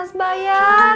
aku mau makan